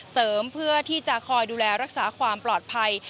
เพื่อที่จะคอยดูแลรักษาความปลอดภัย